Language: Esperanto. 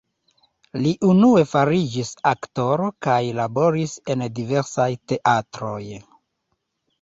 Li unue fariĝis aktoro kaj laboris en diversaj teatroj.